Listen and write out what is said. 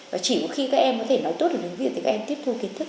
và chỉ có khi các em có thể nói tốt về tiếng việt thì các em tiếp thu kiến thức